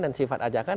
dan sifat ajakan